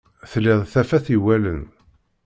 Telliḍ d tafat i wallen.